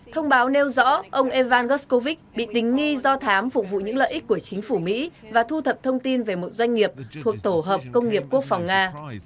thông báo nêu rõ ông evan guscovich bị tính nghi do thám phục vụ những lợi ích của chính phủ mỹ và thu thập thông tin về một doanh nghiệp thuộc tổ hợp công nghiệp quốc phòng nga